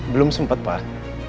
belum sempat pak